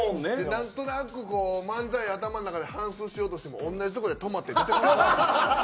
何となく漫才頭の中で反すうしようとしても同じところで止まって出てこうへん。